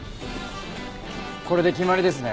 これで決まりですね。